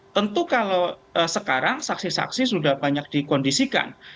tentu kalau sekarang saksi saksi sudah banyak dikondisikan